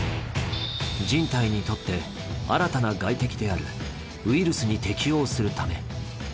人体にとって新たな外敵であるウイルスに適応するため。